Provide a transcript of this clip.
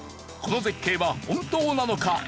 この絶景は本当なのか？